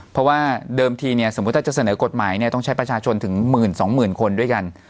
เพราะว่าเดิมทีเนี่ยสมมุติถ้าจะเสนอกฎหมายเนี่ยต้องใช้ประชาชนถึง๑๒๐๐๐คนด้วยกัน